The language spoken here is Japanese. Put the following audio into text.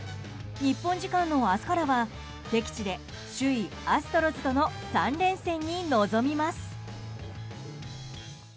日本時間の明日からは敵地で首位アストロズとの３連戦に臨みます。